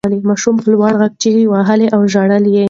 ماشوم په لوړ غږ چیغې وهلې او ژړل یې.